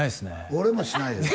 俺もしないです